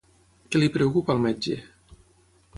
Què li preocupa al metge?